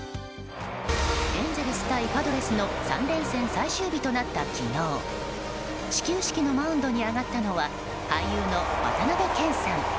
エンゼルス対パドレスの３連戦最終日となった昨日始球式のマウンドに上がったのは俳優の渡辺謙さん。